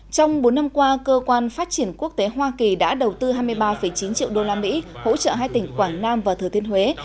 trong bốn năm qua cơ quan phát triển quốc tế hoa kỳ đã đầu tư hai mươi ba chín triệu đô la mỹ hỗ trợ hai tỉnh quảng nam và thừa thiên huế